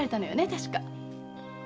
確か。